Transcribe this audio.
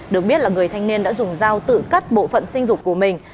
được biết là người thanh niên đã dùng dao tự cắt bộ phận sinh dục của mình